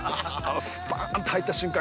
スパーンと入った瞬間